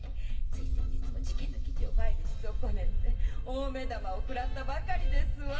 つい先日も事件の記事をファイルしそこねて大目玉を食らったばかりですわ！